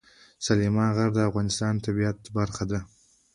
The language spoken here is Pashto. سلیمان غر د افغانستان د طبیعت برخه ده.